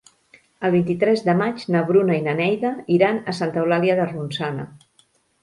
El vint-i-tres de maig na Bruna i na Neida iran a Santa Eulàlia de Ronçana.